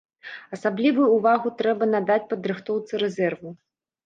Асаблівую ўвагу трэба надаць падрыхтоўцы рэзерву.